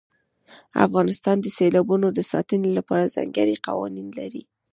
افغانستان د سیلابونو د ساتنې لپاره ځانګړي قوانین لري.